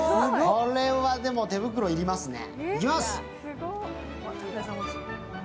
これはでも、手袋要りますね。